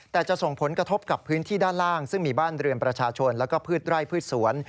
แต่จะส่งผลกระทบกับพื้นที่ด้านล่างซึ่งมีบ้านเรือนประชาชนแล้วก็พืชไร่พืชสวน